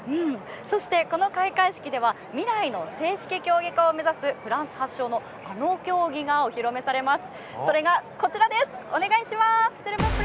そして、この開会式では未来の正式競技化を目指すフランス発祥のあの競技がお披露目されます。